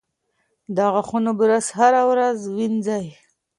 د غاښونو برس هره ورځ وینځئ.